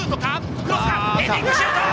クロス、ヘディングシュート！